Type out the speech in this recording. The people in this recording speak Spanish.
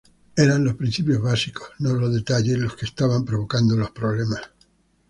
Eran los principios básicos, no los detalles, los que estaban provocando los problemas.